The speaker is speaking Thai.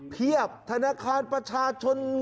เพียบธนาคารประชาชน